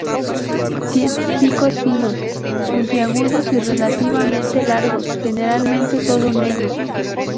Tienen picos finos, puntiagudos y relativamente largos, generalmente todo negro.